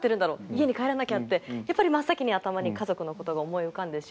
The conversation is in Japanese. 家に帰らなきゃってやっぱり真っ先に頭に家族のことが思い浮かんでしまう。